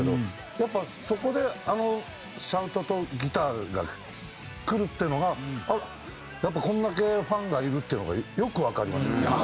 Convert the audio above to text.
やっぱそこであのシャウトとギターがくるっていうのがやっぱこんだけファンがいるっていうのがよくわかりますね。